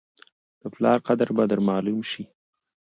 د پلار قدر به در معلوم شي !